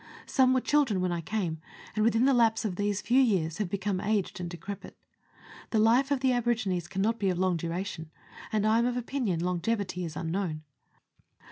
Some were children when I came, and within the lapse of these few years have become aged and decrepit. The life of the aborigines cannot be of long duration ; and I am of opinion longevity is unknown.